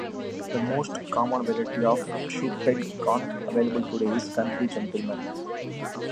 The most common variety of shoepeg corn available today is Country Gentleman.